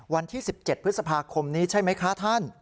วันที่๑๗พฤษภาคมนี้ใช่ไหมคะท่าน